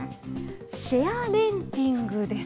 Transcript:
シェアレンティングです。